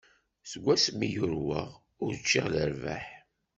Seg wasmi i yurweɣ, ur ččiɣ lerbaḥ.